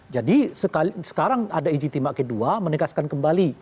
jadi sekarang ada ijitimak kedua menegaskan kembali